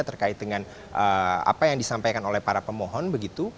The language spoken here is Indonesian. terkait dengan apa yang disampaikan oleh para pemohon begitu